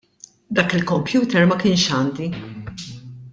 Dak il-computer ma kienx għandi.